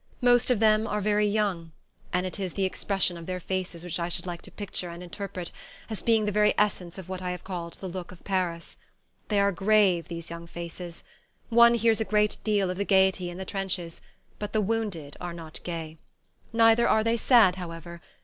Most of them are very young, and it is the expression of their faces which I should like to picture and interpret as being the very essence of what I have called the look of Paris. They are grave, these young faces: one hears a great deal of the gaiety in the trenches, but the wounded are not gay. Neither are they sad, however.